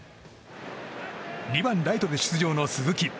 ２番ライトで出場の鈴木。